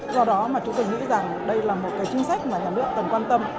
do đó mà chúng tôi nghĩ rằng đây là một cái chính sách mà nhà nước cần quan tâm